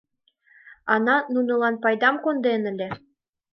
Ана нунылан пайдам кондем ыле?